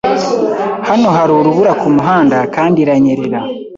Hano hari urubura kumuhanda kandi iranyerera.